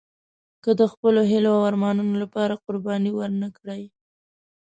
که د خپلو هیلو او ارمانونو لپاره قرباني ورنه کړئ.